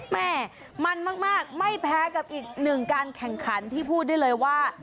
แม่มันมากไม่แพ้กับอีกหนึ่งการแข่งขันที่พูดได้เลยว่า